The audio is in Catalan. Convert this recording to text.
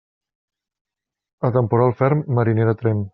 A temporal ferm, mariner de tremp.